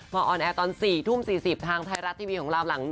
มาออนแอร์ตอน๑๖๐๐ทุ่ม๔๐ทางไทยรัตรี้วีของเรา